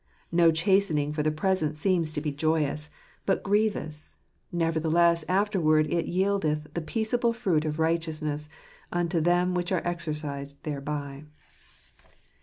"No chastening for the present seemeth to be joyous, but grievous ; nevertheless afterward it yieldeth the peaceable fruit of righteousness unto them which are exercised thereby."